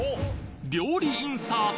料理インサート